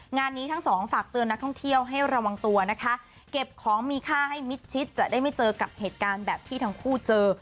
งานนี้ทั้งสองฝากเตือนนักท่องเที่ยวให้ระวังตัวนะคะเก็บของมีค่าให้มิดชิดจะได้ไม่เจอกับเหตุการณ์แบบที่ทั้งคู่เจอ